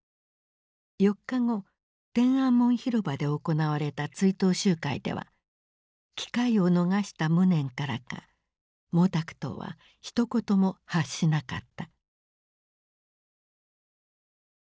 ４日後天安門広場で行われた追悼集会では機会を逃した無念からか毛沢東はひと言も発しなかった。